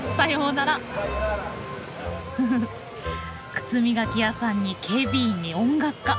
靴磨き屋さんに警備員に音楽家。